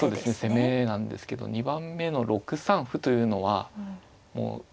攻めなんですけど２番目の６三歩というのはもう受け。